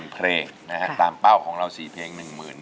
๑เพลงตามเป้าของเรา๔เพลง